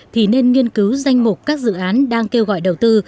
thì nên nghiên cứu danh mục các dự án đang kêu gọi đầu tư